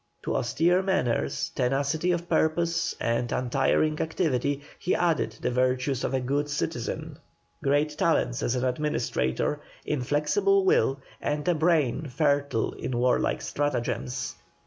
To austere manners, tenacity of purpose, and untiring activity he added the virtues of a good citizen, great talents as an administrator, inflexible will, and a brain fertile in warlike stratagems.